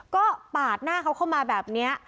ก็ปาดหน้าเขาเข้ามาแบบนี้